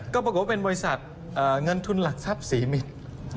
ก็ปรากฏว่าเป็นบริษัทเงินทุนหลักทรัพย์๔มิตร